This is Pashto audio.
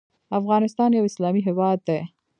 افغانستان یو اسلامي هیواد دی